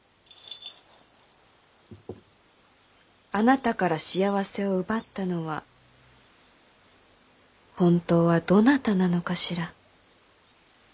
あなたから幸せを奪ったのは本当はどなたなのかしら。